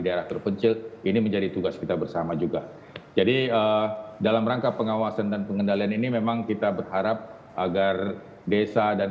demikian juga perjalanan penerbangan